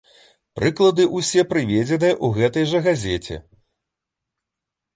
Прыклады ўсе прыведзеныя ў гэтай жа газеце.